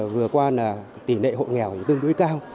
vừa qua tỉ nệ hộ nghèo tương đối cao